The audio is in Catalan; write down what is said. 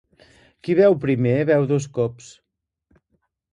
Qui beu primer, beu dos cops.